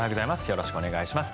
よろしくお願いします。